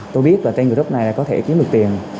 tôi biết là trên group này có thể kiếm được tiền